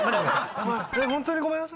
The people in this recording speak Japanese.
ホントにごめんなさい。